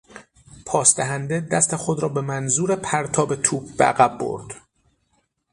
پاس دهنده دست خود را به منظور پرتاب توپ به عقب برد.